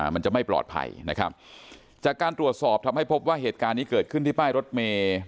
มันจะไม่ปลอดภัยนะครับจากการตรวจสอบทำให้พบว่าเหตุการณ์นี้เกิดขึ้นที่ป้ายรถเมย์